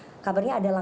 oh saya siap siap sedia